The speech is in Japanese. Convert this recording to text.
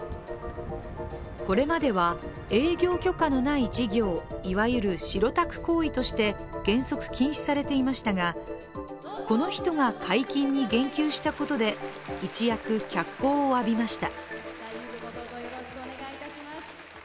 これまでは、営業許可のない事業いわゆる白タク行為として原則禁止されていましたが、この人が解禁に言及したことで、一躍、脚光を浴びました。